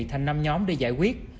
thành năm nhóm để giải quyết